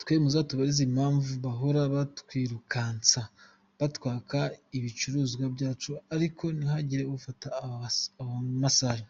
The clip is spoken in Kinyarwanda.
Twe muzatubarize impamvu bahora batwirukansa batwaka ibicuruzwa byacu ariko ntihagire ufata aba-Masai.